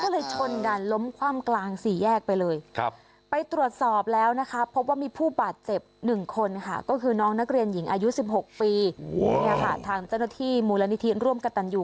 ซึ่งปี๑๙๒๖ปีทางเจ้าหน้าที่มูลณิธิร่วมกับตันยู